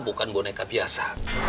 bukan boneka biasa